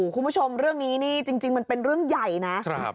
คุณผู้ชมเรื่องนี้นี่จริงมันเป็นเรื่องใหญ่นะ